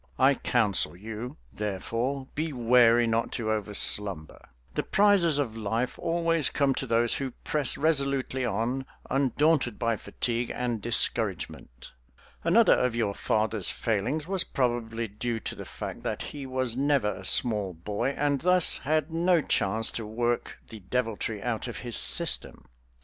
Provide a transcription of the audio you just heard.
I counsel you, therefore, be wary not to overslumber. The prizes of life always come to those who press resolutely on, undaunted by fatigue and discouragement. Another of your father's failings was probably due to the fact that he was never a small boy and thus had no chance to work the deviltry out of his system.